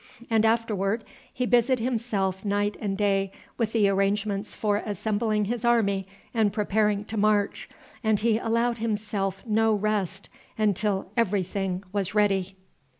And afterward he busied himself night and day with the arrangements for assembling his army and preparing to march, and he allowed himself no rest until every thing was ready.